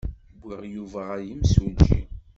Wwiɣ Yuba ɣer yimsujji.